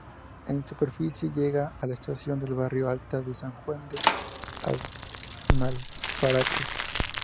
En superficie llega a la estación del barrio alto de San Juan de Aznalfarache.